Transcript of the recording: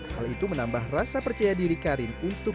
setelah rasa percaya diri karin untuk